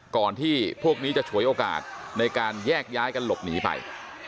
ก่อนที่พวกนี้จะฉวยโอกาสในการแยกย้ายกันหลบหนีไป